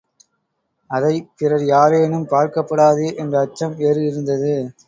அதைப் பிறர் யாரேனும் பார்க்கப்படாதே என்ற அச்சம் வேறு இருந்தது.